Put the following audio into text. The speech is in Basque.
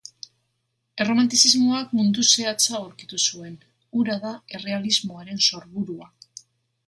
Erromantizismoak mundu zehatza aurkitu zuen: hura da errealismoaren sorburua.